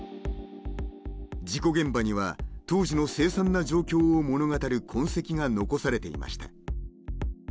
事故現場には当時の凄惨な状況を物語る痕跡が残されていました